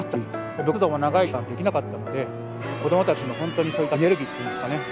部活動も長い期間できなかったので子どもたちのほんとにそういったエネルギーっていうんですかね